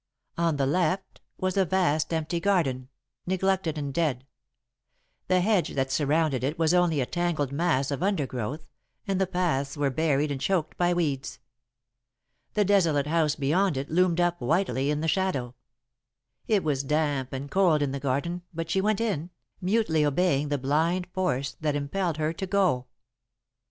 On the left was a vast, empty garden, neglected and dead. The hedge that surrounded it was only a tangled mass of undergrowth, and the paths were buried and choked by weeds. The desolate house beyond it loomed up whitely in the shadow. It was damp and cold in the garden, but she went in, mutely obeying the blind force that impelled her to go.